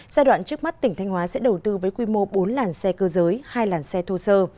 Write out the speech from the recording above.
giai đoạn trước mắt tỉnh thanh hóa sẽ đầu tư với quy mô bốn làn xe cơ giới hai làn xe thô sơ